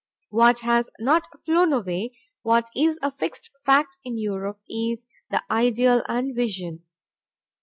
What has not flown away, what is a fixed fact in Europe, is the ideal and vision.